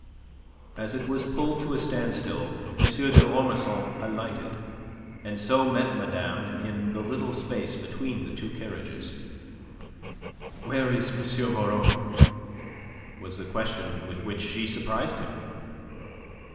As it was pulled to a standstill, M. d'Ormesson alighted, and so met madame in the little space between the two carriages. "Where is M. Moreau?" was the question with which she surprised him.